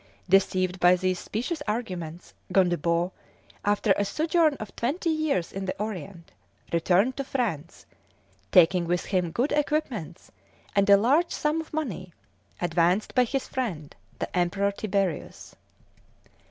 Deceived by these specious arguments, Gondebaud, after a sojourn of twenty years in the Orient, returned to France, taking with him good equipments and a large sum of money, advanced by his friend the Emperor Tiberius.